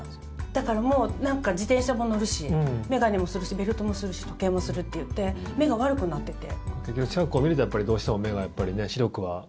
だから、もう自転車も乗るし眼鏡もするしベルトもするし時計もするっていって目が悪くなってて。